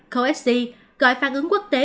coexi gọi phản ứng quốc tế